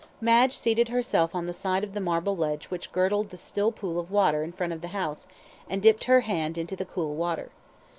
Madge seated herself on the side of the marble ledge which girdled the still pool of water in front of the house, and dipped her hand into the cool water.